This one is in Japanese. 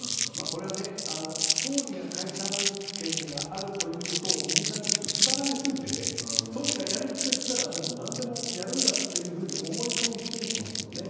これは、総理に解散権があるということをみんな縛られすぎていて総理がやると言ったら何でもやるんだと思い込みをしていると思いますけどね。